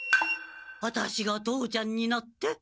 アタシが父ちゃんになって。